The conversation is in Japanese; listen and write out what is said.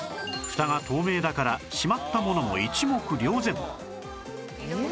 フタが透明だからしまったものも一目瞭然